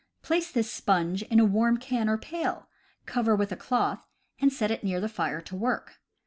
Place this "sponge" in a warm can or pail, cover with a cloth, and set it near the fire to work.